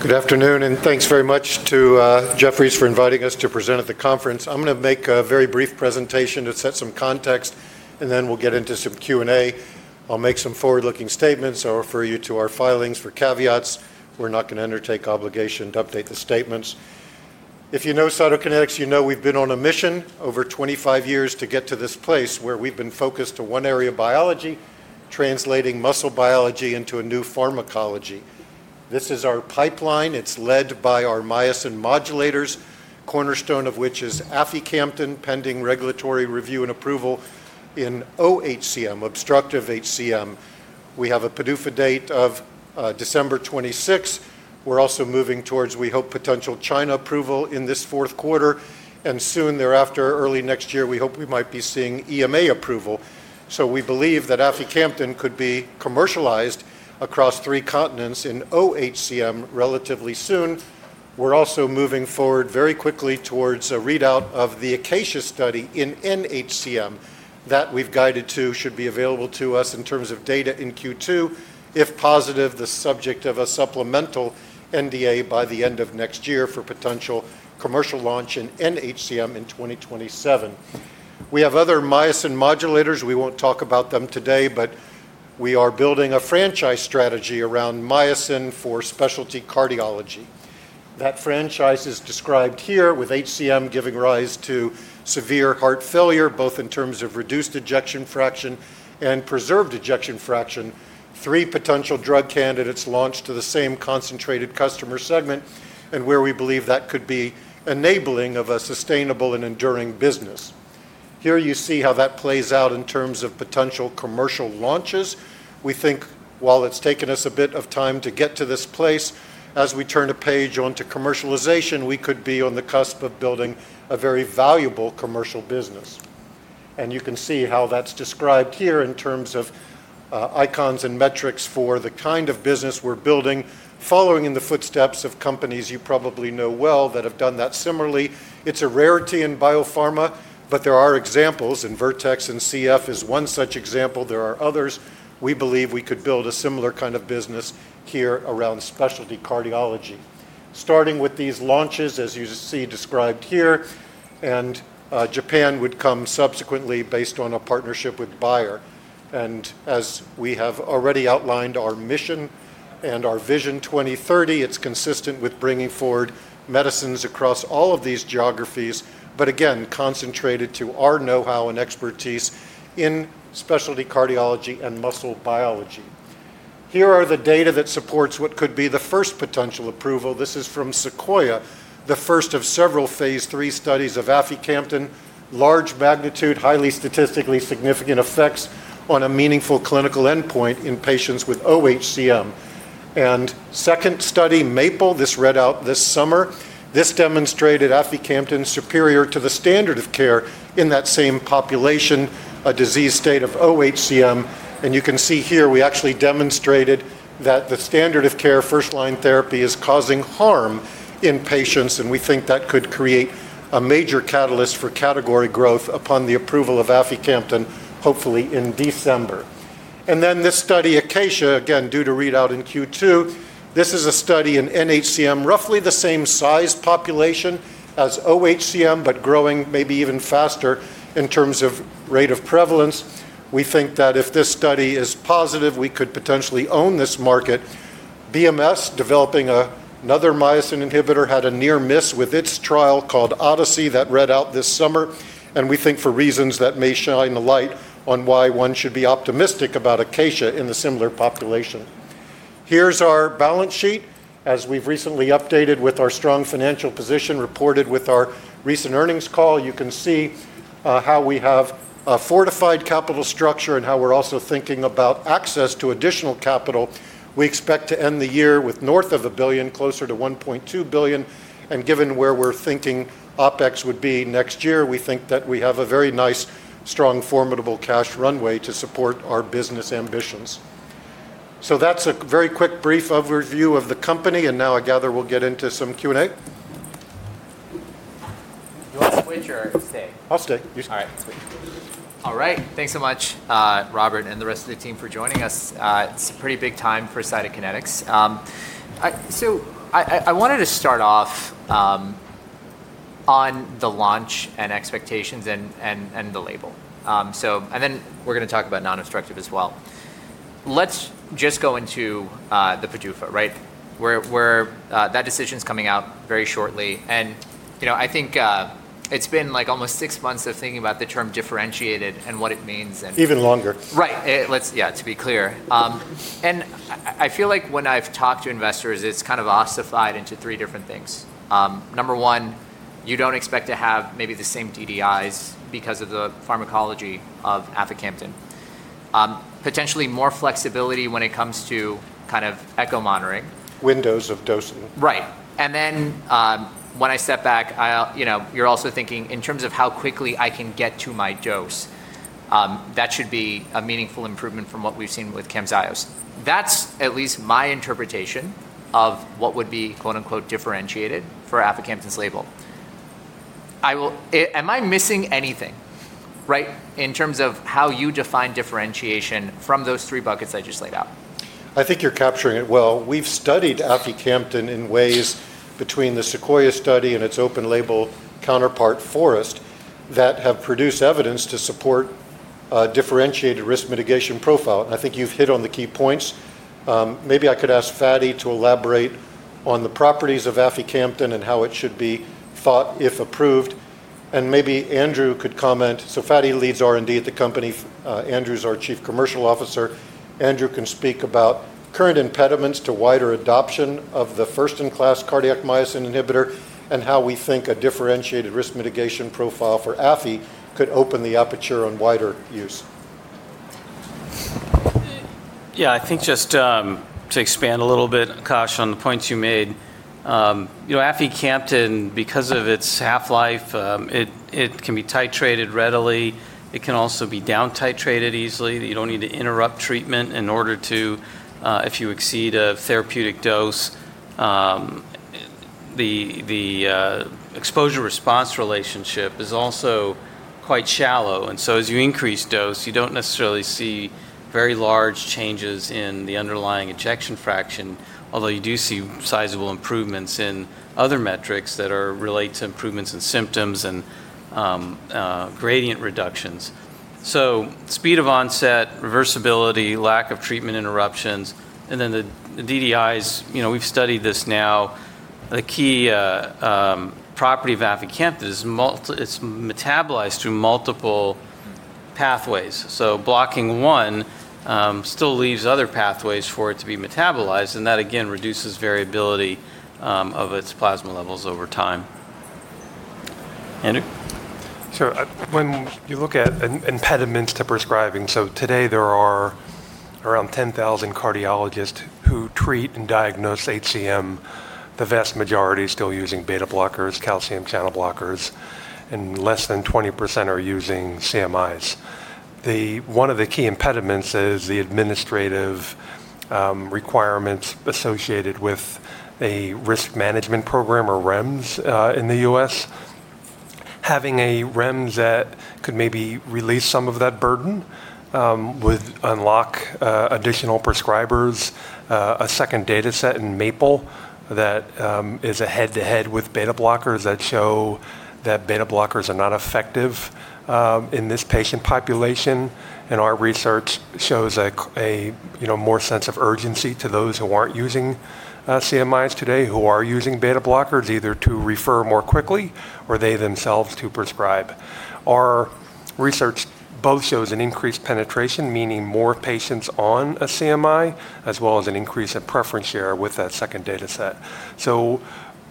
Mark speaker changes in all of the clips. Speaker 1: Good afternoon, and thanks very much to Jefferies for inviting us to present at the conference. I'm going to make a very brief presentation to set some context, and then we'll get into some Q&A. I'll make some forward-looking statements. I'll refer you to our filings for caveats. We're not going to undertake obligation to update the statements. If you know Cytokinetics, you know we've been on a mission over 25 years to get to this place where we've been focused on one area of biology, translating muscle biology into a new pharmacology. This is our pipeline. It's led by our myosin modulators, cornerstone of which is aficamten pending regulatory review and approval in OHCM, obstructive HCM. We have a PDUFA date of December 26. We're also moving towards, we hope, potential China approval in this fourth quarter. Soon thereafter, early next year, we hope we might be seeing EMA approval. We believe that aficamten could be commercialized across three continents in OHCM relatively soon. We're also moving forward very quickly towards a readout of the ACACIA study in NHCM that we've guided to should be available to us in terms of data in Q2. If positive, the subject of a supplemental NDA by the end of next year for potential commercial launch in NHCM in 2027. We have other myosin modulators. We won't talk about them today, but we are building a franchise strategy around myosin for specialty cardiology. That franchise is described here, with HCM giving rise to severe heart failure, both in terms of reduced ejection fraction and preserved ejection fraction. Three potential drug candidates launched to the same concentrated customer segment, and where we believe that could be enabling of a sustainable and enduring business. Here you see how that plays out in terms of potential commercial launches. We think, while it's taken us a bit of time to get to this place, as we turn a page onto commercialization, we could be on the cusp of building a very valuable commercial business. You can see how that's described here in terms of icons and metrics for the kind of business we're building, following in the footsteps of companies you probably know well that have done that similarly. It's a rarity in biopharma, but there are examples, and Vertex and CF is one such example. There are others. We believe we could build a similar kind of business here around specialty cardiology, starting with these launches, as you see described here. Japan would come subsequently based on a partnership with Bayer. As we have already outlined, our mission and our vision 2030, it's consistent with bringing forward medicines across all of these geographies, but again, concentrated to our know-how and expertise in specialty cardiology and muscle biology. Here are the data that supports what could be the first potential approval. This is from SEQUOIA, the first of several phase III studies of aficamten, large magnitude, highly statistically significant effects on a meaningful clinical endpoint in patients with OHCM. The second study, MAPLE, this read out this summer. This demonstrated aficamten superior to the standard of care in that same population, a disease state of OHCM. You can see here we actually demonstrated that the standard of care first-line therapy is causing harm in patients, and we think that could create a major catalyst for category growth upon the approval of aficamten, hopefully in December. This study, ACACIA, again, due to readout in Q2. This is a study in NHCM, roughly the same size population as OHCM, but growing maybe even faster in terms of rate of prevalence. We think that if this study is positive, we could potentially own this market. BMS, developing another myosin inhibitor, had a near miss with its trial called ODYSSEY that read out this summer, and we think for reasons that may shine a light on why one should be optimistic about ACACIA in the similar population. Here is our balance sheet, as we have recently updated with our strong financial position reported with our recent earnings call. You can see how we have a fortified capital structure and how we're also thinking about access to additional capital. We expect to end the year with north of $1 billion, closer to $1.2 billion. Given where we're thinking OpEx would be next year, we think that we have a very nice, strong, formidable cash runway to support our business ambitions. That's a very quick brief overview of the company, and now I gather we'll get into some Q&A.
Speaker 2: [You want to switch or], stay?
Speaker 1: I'll stay.
Speaker 2: All right. All right. Thanks so much, Robert, and the rest of the team for joining us. It's a pretty big time for Cytokinetics. I wanted to start off on the launch and expectations and the label. Then we're going to talk about non-obstructive as well. Let's just go into the PDUFA, right? That decision is coming out very shortly. I think it's been like almost six months of thinking about the term differentiated and what it means.
Speaker 1: Even longer.
Speaker 2: Right. Yeah, to be clear. I feel like when I've talked to investors, it's kind of ossified into three different things. Number one, you don't expect to have maybe the same DDIs because of the pharmacology of aficamten. Potentially more flexibility when it comes to kind of echo monitoring.
Speaker 1: Windows of dosing.
Speaker 2: Right. When I step back, you're also thinking in terms of how quickly I can get to my dose. That should be a meaningful improvement from what we've seen with Camzyos. That's at least my interpretation of what would be "differentiated" for aficamten's label. Am I missing anything in terms of how you define differentiation from those three buckets I just laid out?
Speaker 1: I think you're capturing it well. We've studied aficamten in ways between the SEQUOIA study and its open label counterpart, Forest, that have produced evidence to support a differentiated risk mitigation profile. I think you've hit on the key points. Maybe I could ask Fady to elaborate on the properties of aficamten and how it should be thought if approved. Maybe Andrew could comment. Fady leads R&D at the company. Andrew's our Chief Commercial Officer. Andrew can speak about current impediments to wider adoption of the first-in-class cardiac myosin inhibitor and how we think a differentiated risk mitigation profile for AFI could open the aperture on wider use.
Speaker 3: Yeah, I think just to expand a little bit, Akash, on the points you made. Aficamten, because of its half-life, it can be titrated readily. It can also be down-titrated easily. You do not need to interrupt treatment in order to, if you exceed a therapeutic dose. The exposure-response relationship is also quite shallow. As you increase dose, you do not necessarily see very large changes in the underlying ejection fraction, although you do see sizable improvements in other metrics that relate to improvements in symptoms and gradient reductions. Speed of onset, reversibility, lack of treatment interruptions, and then the DDIs, we have studied this now. The key property of aficamten is it is metabolized through multiple pathways. Blocking one still leaves other pathways for it to be metabolized, and that again reduces variability of its plasma levels over time.
Speaker 4: When you look at impediments to prescribing, today there are around 10,000 cardiologists who treat and diagnose HCM. The vast majority are still using beta blockers, calcium channel blockers, and less than 20% are using CMIs. One of the key impediments is the administrative requirements associated with a risk management program or REMS in the U.S. Having a REMS that could maybe release some of that burden would unlock additional prescribers. A second dataset in MAPLE is a head-to-head with beta blockers that shows that beta blockers are not effective in this patient population. Our research shows a more sense of urgency to those who are not using CMIs today who are using beta blockers, either to refer more quickly or they themselves to prescribe. Our research both shows an increased penetration, meaning more patients on a CMI, as well as an increase in preference share with that second dataset.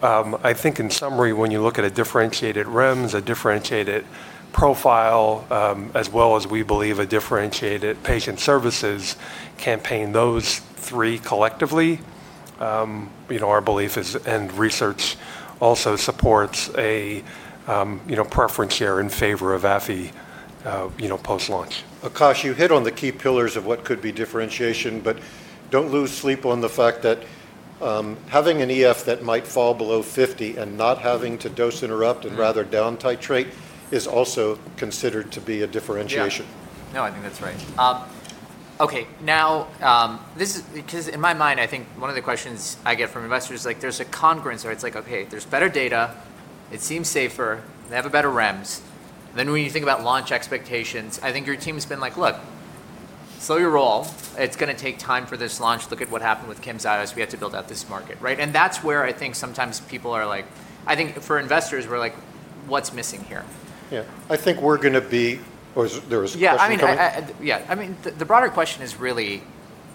Speaker 4: I think in summary, when you look at a differentiated REMS, a differentiated profile, as well as we believe a differentiated patient services campaign, those three collectively, our belief is, and research also supports a preference share in favor of AFI post-launch.
Speaker 1: Akash, you hit on the key pillars of what could be differentiation, but do not lose sleep on the fact that having an EF that might fall below 50% and not having to dose interrupt and rather down-titrate is also considered to be a differentiation.
Speaker 3: No, I think that's right.
Speaker 2: Okay, now, because in my mind, I think one of the questions I get from investors is like there's a congruence where it's like, okay, there's better data, it seems safer, they have a better REMS. When you think about launch expectations, I think your team has been like, look, slow your roll. It's going to take time for this launch. Look at what happened with Camzyos. We have to build out this market, right? That's where I think sometimes people are like, I think for investors, we're like, what's missing here?
Speaker 1: Yeah, I think we're going to be, or there was a question coming.
Speaker 2: Yeah, I mean, the broader question is really,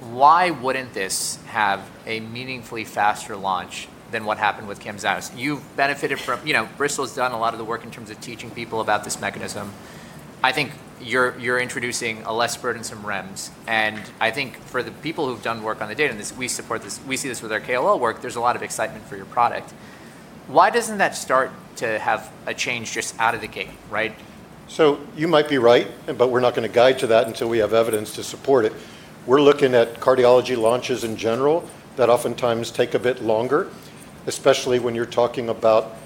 Speaker 2: why wouldn't this have a meaningfully faster launch than what happened with Camzyos? You've benefited from, you know, Bristol's done a lot of the work in terms of teaching people about this mechanism. I think you're introducing a less burdensome REMS. I think for the people who've done work on the data and we support this, we see this with our KLL work, there's a lot of excitement for your product. Why doesn't that start to have a change just out of the gate, right?
Speaker 1: You might be right, but we're not going to guide to that until we have evidence to support it. We're looking at cardiology launches in general that oftentimes take a bit longer, especially when you're talking about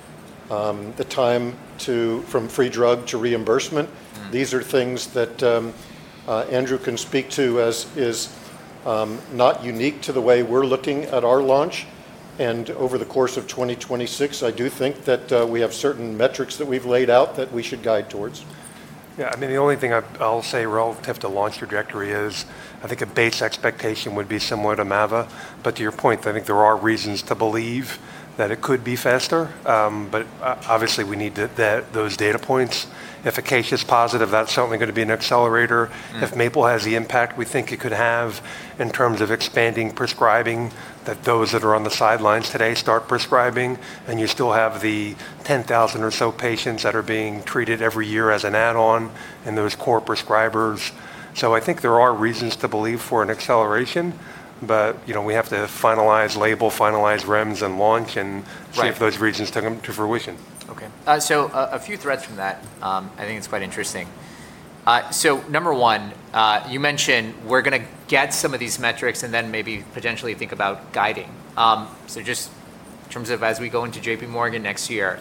Speaker 1: the time from free drug to reimbursement. These are things that Andrew can speak to as is not unique to the way we're looking at our launch. Over the course of 2026, I do think that we have certain metrics that we've laid out that we should guide towards.
Speaker 4: Yeah. I mean, the only thing I'll say relative to launch trajectory is I think a base expectation would be similar to mava. To your point, I think there are reasons to believe that it could be faster. Obviously we need those data points. If ACACIA is positive, that's certainly going to be an accelerator. If MAPLE has the impact we think it could have in terms of expanding prescribing, that those that are on the sidelines today start prescribing, and you still have the 10,000 or so patients that are being treated every year as an add-on and those core prescribers. I think there are reasons to believe for an acceleration, but we have to finalize label, finalize REMS, and launch and see if those reasons come to fruition.
Speaker 2: Okay. So a few threads from that. I think it's quite interesting. Number one, you mentioned we're going to get some of these metrics and then maybe potentially think about guiding. Just in terms of as we go into JPMorgan next year,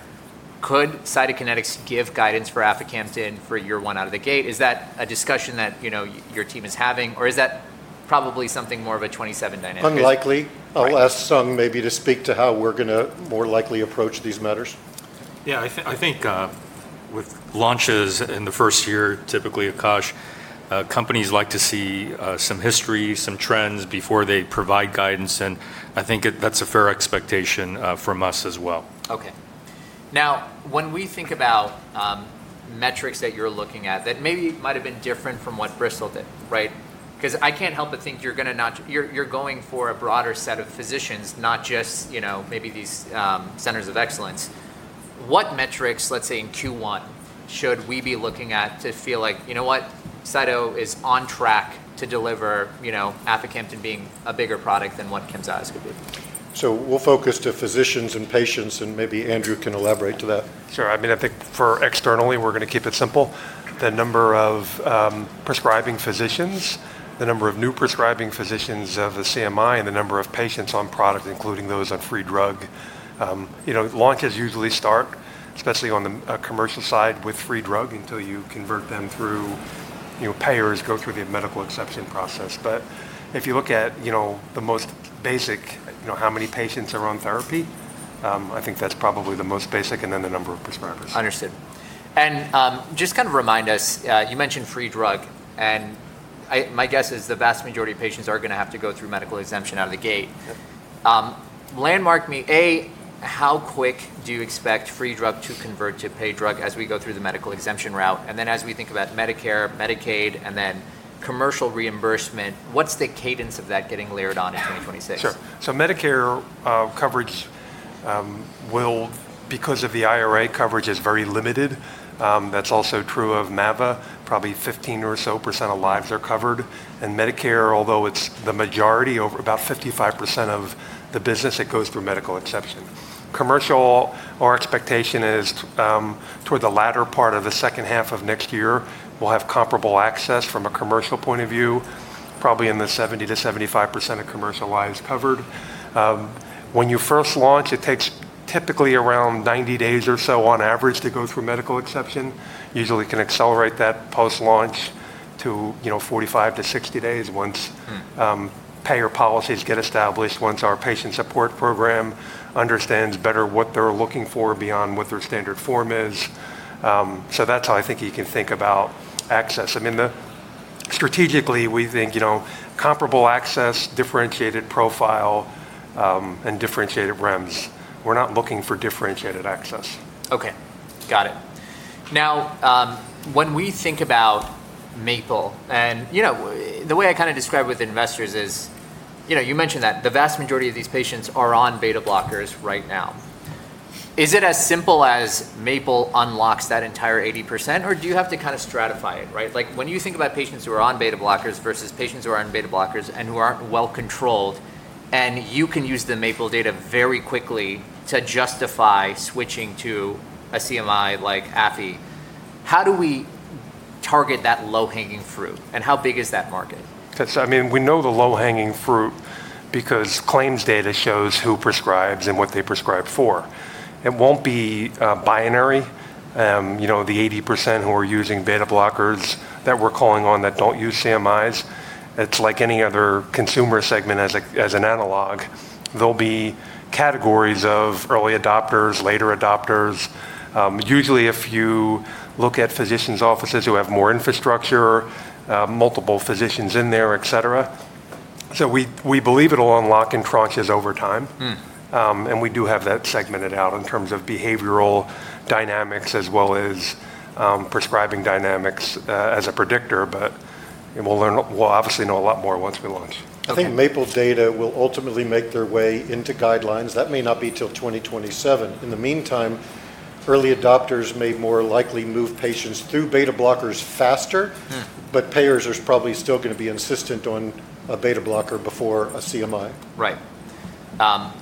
Speaker 2: could Cytokinetics give guidance for aficamten for year one out of the gate? Is that a discussion that your team is having, or is that probably something more of a 2027 dynamic?
Speaker 1: Unlikely. I'll ask Sung maybe to speak to how we're going to more likely approach these matters.
Speaker 5: Yeah, I think with launches in the first year, typically, Akash, companies like to see some history, some trends before they provide guidance. I think that's a fair expectation from us as well.
Speaker 2: Okay. Now, when we think about metrics that you're looking at that maybe might have been different from what Bristol did, right? Because I can't help but think you're going for a broader set of physicians, not just maybe these centers of excellence. What metrics, let's say in Q1, should we be looking at to feel like, you know what, Cytokinetics is on track to deliver aficamten being a bigger product than what Camzyos could be?
Speaker 1: We'll focus to physicians and patients, and maybe Andrew can elaborate to that.
Speaker 4: Sure. I mean, I think for externally, we're going to keep it simple. The number of prescribing physicians, the number of new prescribing physicians of the CMI, and the number of patients on product, including those on free drug. Launches usually start, especially on the commercial side with free drug until you convert them through payers, go through the medical exception process. If you look at the most basic, how many patients are on therapy, I think that's probably the most basic, and then the number of prescribers.
Speaker 2: Understood. Just kind of remind us, you mentioned free drug, and my guess is the vast majority of patients are going to have to go through medical exemption out of the gate. Landmark me, A, how quick do you expect free drug to convert to paid drug as we go through the medical exemption route? As we think about Medicare, Medicaid, and then commercial reimbursement, what's the cadence of that getting layered on in 2026?
Speaker 4: Sure. Medicare coverage will, because of the IRA coverage, is very limited. That's also true of mava, probably 15 or so percent of lives are covered. Medicare, although it's the majority, about 55% of the business, it goes through medical exception. Commercial, our expectation is toward the latter part of the second half of next year, we'll have comparable access from a commercial point of view, probably in the 70%-75% of commercial lives covered. When you first launch, it takes typically around 90 days or so on average to go through medical exception. Usually can accelerate that post-launch to 45-60 days once payer policies get established, once our patient support program understands better what they're looking for beyond what their standard form is. That's how I think you can think about access. I mean, strategically, we think comparable access, differentiated profile, and differentiated REMS. We're not looking for differentiated access.
Speaker 2: Okay. Got it. Now, when we think about MAPLE, and the way I kind of describe with investors is you mentioned that the vast majority of these patients are on beta blockers right now. Is it as simple as MAPLE unlocks that entire 80%, or do you have to kind of stratify it? When you think about patients who are on beta blockers versus patients who are on beta blockers and who aren't well controlled, and you can use the MAPLE data very quickly to justify switching to a CMI like AFI, how do we target that low-hanging fruit? And how big is that market?
Speaker 4: I mean, we know the low-hanging fruit because claims data shows who prescribes and what they prescribe for. It won't be binary. The 80% who are using beta blockers that we're calling on that don't use CMIs, it's like any other consumer segment as an analog. There'll be categories of early adopters, later adopters. Usually, if you look at physicians' offices who have more infrastructure, multiple physicians in there, et cetera. We believe it'll unlock in tranches over time. We do have that segmented out in terms of behavioral dynamics as well as prescribing dynamics as a predictor, but we'll obviously know a lot more once we launch.
Speaker 1: I think MAPLE data will ultimately make their way into guidelines. That may not be till 2027. In the meantime, early adopters may more likely move patients through beta blockers faster, but payers, there's probably still going to be insistent on a beta blocker before a CMI.
Speaker 2: Right.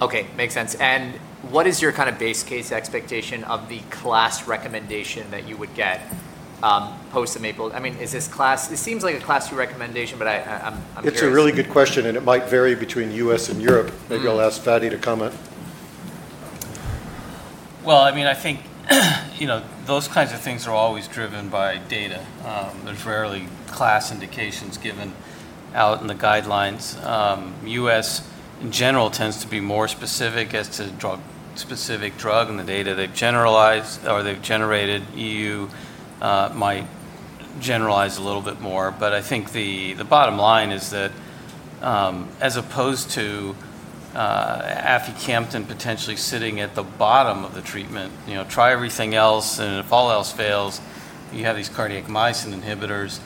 Speaker 2: Okay, makes sense. What is your kind of base case expectation of the class recommendation that you would get post-MAPLE? I mean, is this class, it seems like a class two recommendation, but I'm curious.
Speaker 1: It's a really good question, and it might vary between the U.S. and Europe. Maybe I'll ask Fady to comment.
Speaker 3: I mean, I think those kinds of things are always driven by data. There's rarely class indications given out in the guidelines. The U.S. in general tends to be more specific as to drug-specific drug and the data they've generated. The EU might generalize a little bit more. I think the bottom line is that as opposed to aficamten potentially sitting at the bottom of the treatment, try everything else, and if all else fails, you have these cardiac myosin inhibitors.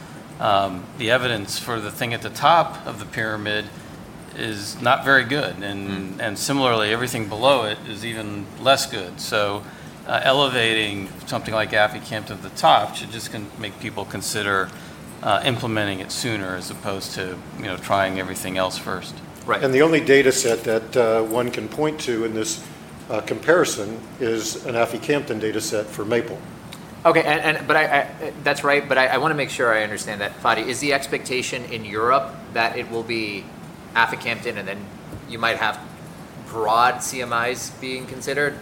Speaker 3: The evidence for the thing at the top of the pyramid is not very good. Similarly, everything below it is even less good. Elevating something like aficamten to the top should just make people consider implementing it sooner as opposed to trying everything else first.
Speaker 1: Right. The only dataset that one can point to in this comparison is an aficamten dataset for MAPLE.
Speaker 2: Okay, that's right, but I want to make sure I understand that. Fady, is the expectation in Europe that it will be aficamten and then you might have broad CMIs being considered?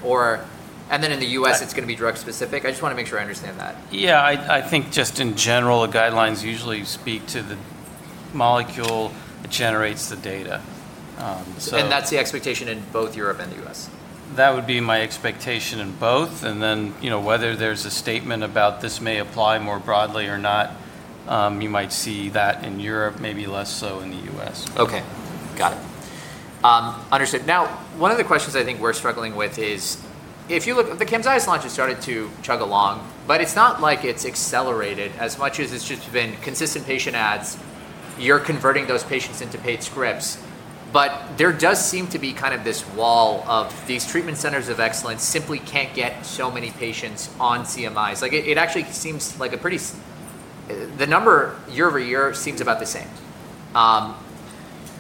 Speaker 2: And then in the U.S., it's going to be drug-specific? I just want to make sure I understand that.
Speaker 3: Yeah, I think just in general, the guidelines usually speak to the molecule that generates the data.
Speaker 2: That's the expectation in both Europe and the U.S.?
Speaker 3: That would be my expectation in both. Whether there's a statement about this may apply more broadly or not, you might see that in Europe, maybe less so in the U.S.
Speaker 2: Okay. Got it. Understood. Now, one of the questions I think we're struggling with is if you look, the Camzyos launch has started to chug along, but it's not like it's accelerated as much as it's just been consistent patient adds. You're converting those patients into paid scripts, but there does seem to be kind of this wall of these treatment centers of excellence simply can't get so many patients on CMIs. It actually seems like a pretty, the number year over year seems about the same.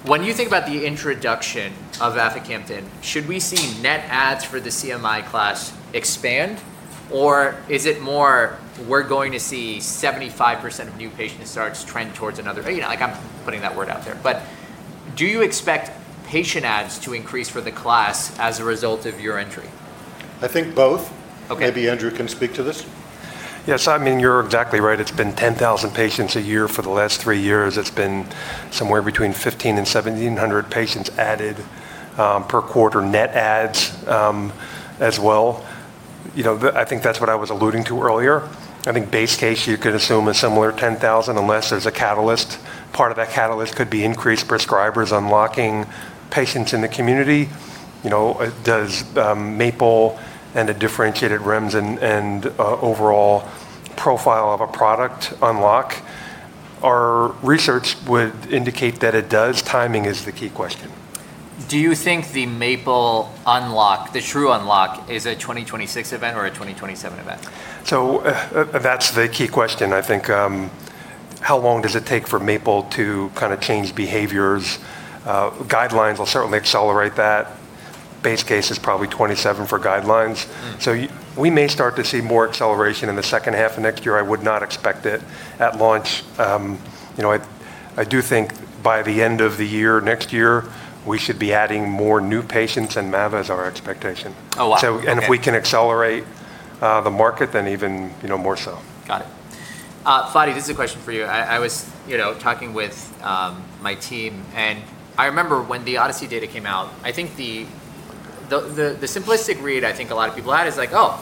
Speaker 2: When you think about the introduction of aficamten, should we see net adds for the CMI class expand, or is it more we're going to see 75% of new patient starts trend towards another? I'm putting that word out there. But do you expect patient adds to increase for the class as a result of your entry?
Speaker 1: I think both. Maybe Andrew can speak to this.
Speaker 4: Yes, I mean, you're exactly right. It's been 10,000 patients a year for the last three years. It's been somewhere between 1,500 and 1,700 patients added per quarter net ads as well. I think that's what I was alluding to earlier. I think base case, you could assume a similar 10,000 unless there's a catalyst. Part of that catalyst could be increased prescribers unlocking patients in the community. Does MAPLE and the differentiated REMS and overall profile of a product unlock? Our research would indicate that it does. Timing is the key question.
Speaker 2: Do you think the MAPLE unlock, the true unlock, is a 2026 event or a 2027 event?
Speaker 4: That's the key question. I think how long does it take for MAPLE to kind of change behaviors? Guidelines will certainly accelerate that. Base case is probably 2027 for guidelines. We may start to see more acceleration in the second half of next year. I would not expect it at launch. I do think by the end of the year next year, we should be adding more new patients and mava is our expectation. If we can accelerate the market, then even more so.
Speaker 2: Got it. Fady, this is a question for you. I was talking with my team, and I remember when the ODYSSEY data came out, I think the simplistic read I think a lot of people had is like, "Oh,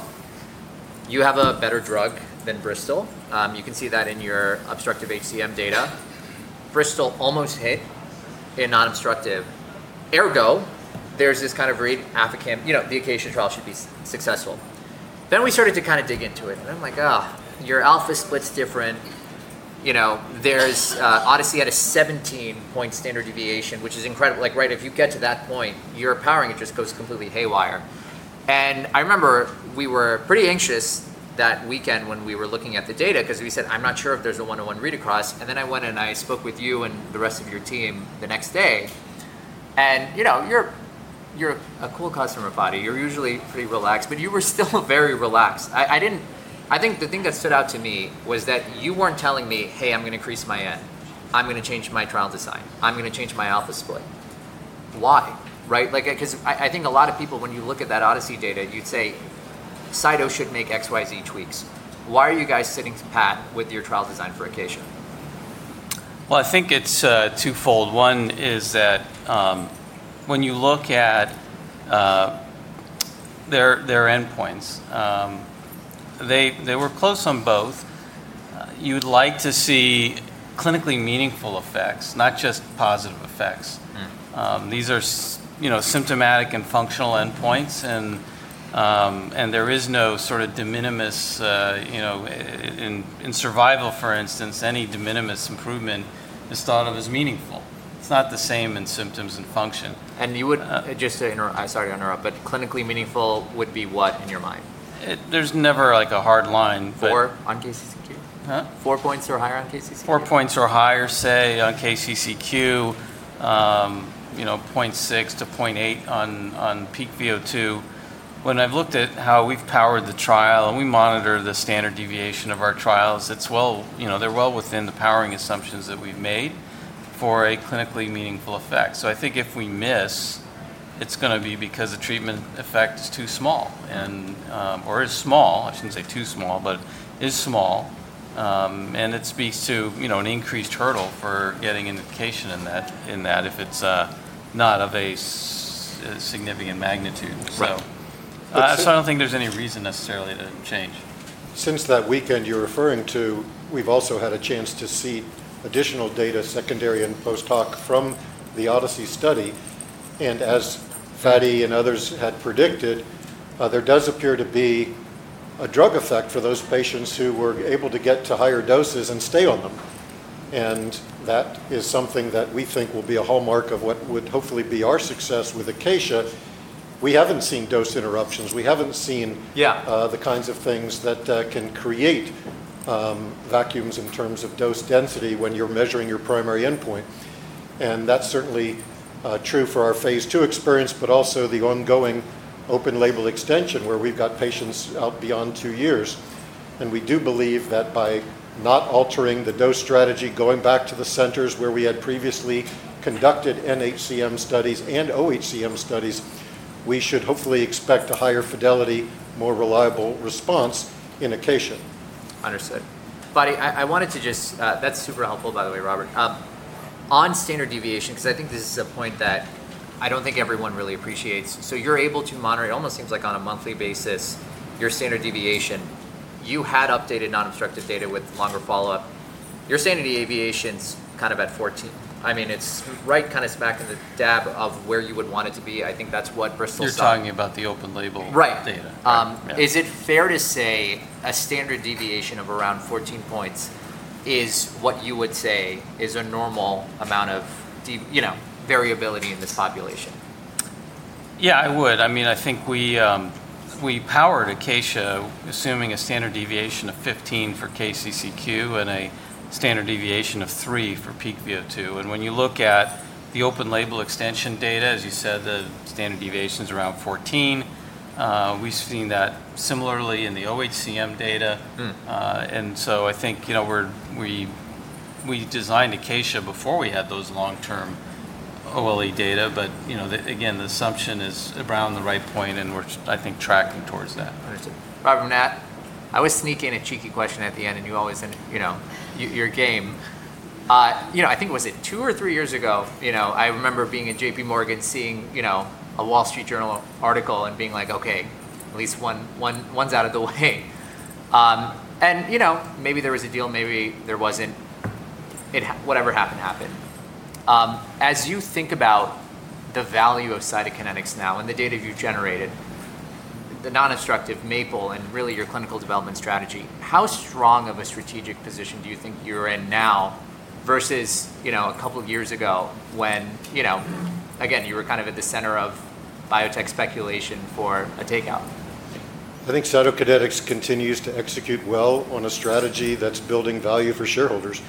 Speaker 2: you have a better drug than Bristol. You can see that in your obstructive HCM data. Bristol almost hit in non-obstructive. Ergo, there's this kind of read, the ACACIA trial should be successful." Then we started to kind of dig into it. I'm like, "Oh, your alpha split's different." ODYSSEY had a 17-point standard deviation, which is incredible. If you get to that point, your powering it just goes completely haywire. I remember we were pretty anxious that weekend when we were looking at the data because we said, "I'm not sure if there's a one-on-one read across." I went and I spoke with you and the rest of your team the next day. You're a cool customer, Fady. You're usually pretty relaxed, but you were still very relaxed. I think the thing that stood out to me was that you weren't telling me, "Hey, I'm going to increase my N. I'm going to change my trial design. I'm going to change my alpha split." Why? I think a lot of people, when you look at that ODYSSEY data, you'd say, "Cytokinetics should make XYZ tweaks." Why are you guys sitting pat with your trial design for ACACIA?
Speaker 3: I think it's twofold. One is that when you look at their endpoints, they were close on both. You'd like to see clinically meaningful effects, not just positive effects. These are symptomatic and functional endpoints, and there is no sort of de minimis in survival, for instance, any de minimis improvement is thought of as meaningful. It's not the same in symptoms and function.
Speaker 2: Just to interrupt, I'm sorry to interrupt, but clinically meaningful would be what in your mind?
Speaker 3: There's never a hard line.
Speaker 2: Four on KCCQ?
Speaker 3: Huh?
Speaker 2: Four points or higher on KCCQ?
Speaker 3: Four points or higher, say, on KCCQ, 0.6-0.8 on peak VO2. When I've looked at how we've powered the trial and we monitor the standard deviation of our trials, they're well within the powering assumptions that we've made for a clinically meaningful effect. I think if we miss, it's going to be because the treatment effect is too small, or is small, I shouldn't say too small, but is small. It speaks to an increased hurdle for getting an indication in that if it's not of a significant magnitude. I don't think there's any reason necessarily to change.
Speaker 1: Since that weekend you're referring to, we've also had a chance to see additional data secondary and post-hoc from the ODYSSEY study. As Fady and others had predicted, there does appear to be a drug effect for those patients who were able to get to higher doses and stay on them. That is something that we think will be a hallmark of what would hopefully be our success with ACACIA. We haven't seen dose interruptions. We haven't seen the kinds of things that can create vacuums in terms of dose density when you're measuring your primary endpoint. That is certainly true for our phase II experience, but also the ongoing open label extension where we've got patients out beyond two years. We do believe that by not altering the dose strategy, going back to the centers where we had previously conducted NHCM studies and OHCM studies, we should hopefully expect a higher fidelity, more reliable response in ACACIA.
Speaker 2: Understood. Fady, I wanted to just, that's super helpful by the way, Robert, on standard deviation, because I think this is a point that I don't think everyone really appreciates. So you're able to monitor, it almost seems like on a monthly basis, your standard deviation. You had updated non-obstructive data with longer follow-up. Your standard deviation's kind of at 14. I mean, it's right kind of smack in the dab of where you would want it to be. I think that's what Bristol saw.
Speaker 3: You're talking about the open-label data.
Speaker 2: Right. Is it fair to say a standard deviation of around 14 points is what you would say is a normal amount of variability in this population?
Speaker 3: Yeah, I would. I mean, I think we powered ACACIA assuming a standard deviation of 15 for KCCQ and a standard deviation of 3 for peak VO2. When you look at the open label extension data, as you said, the standard deviation is around 14. We've seen that similarly in the OHCM data. I think we designed ACACIA before we had those long-term OLE data. Again, the assumption is around the right point, and we're, I think, tracking towards that.
Speaker 2: Understood. Robert, I was sneaking in a cheeky question at the end, and you always end your game. I think was it two or three years ago, I remember being at JPMorgan seeing a Wall Street Journal article and being like, "Okay, at least one's out of the way." And maybe there was a deal, maybe there wasn't. Whatever happened, happened. As you think about the value of Cytokinetics now and the data you've generated, the non-obstructive MAPLE and really your clinical development strategy, how strong of a strategic position do you think you're in now versus a couple of years ago when, again, you were kind of at the center of biotech speculation for a takeout?
Speaker 1: I think Cytokinetics continues to execute well on a strategy that's building value for shareholders.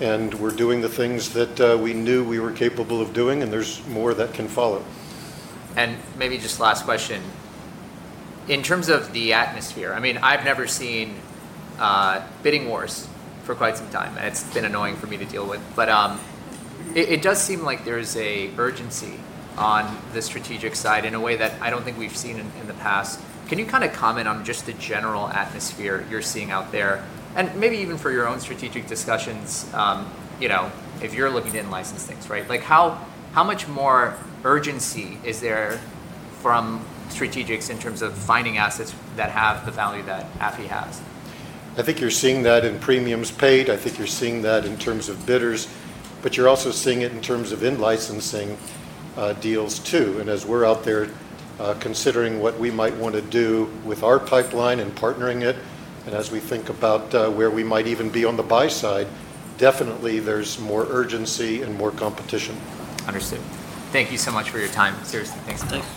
Speaker 1: We're doing the things that we knew we were capable of doing, and there's more that can follow.
Speaker 2: Maybe just last question. In terms of the atmosphere, I mean, I've never seen bidding wars for quite some time, and it's been annoying for me to deal with. It does seem like there is an urgency on the strategic side in a way that I don't think we've seen in the past. Can you kind of comment on just the general atmosphere you're seeing out there? Maybe even for your own strategic discussions, if you're looking to end license things, right? How much more urgency is there from strategics in terms of finding assets that have the value that AFI has?
Speaker 1: I think you're seeing that in premiums paid. I think you're seeing that in terms of bidders. You're also seeing it in terms of end licensing deals too. As we're out there considering what we might want to do with our pipeline and partnering it, and as we think about where we might even be on the buy side, definitely there's more urgency and more competition.
Speaker 2: Understood. Thank you so much for your time. Seriously, thanks.